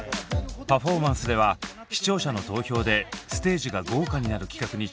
パフォーマンスでは視聴者の投票でステージが豪華になる企画に挑戦。